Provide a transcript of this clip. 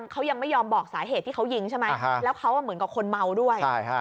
เขายังไม่ยอมบอกสาเหตุที่เขายิงใช่ไหมแล้วเขาเหมือนกับคนเมาด้วย